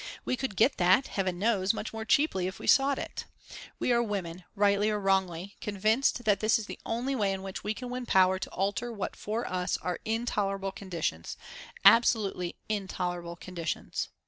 We could get that, heaven knows, much more cheaply if we sought it. We are women, rightly or wrongly, convinced that this is the only way in which we can win power to alter what for us are intolerable conditions, absolutely intolerable conditions.